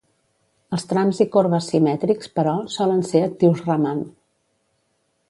Els trams i corbes simètrics, però, solen ser actius Raman.